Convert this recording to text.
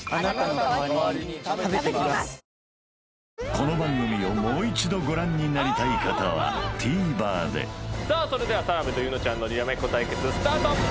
この番組をもう一度ご覧になりたい方はＴＶｅｒでそれでは澤部と柚乃ちゃんのにらめっこ対決スタート！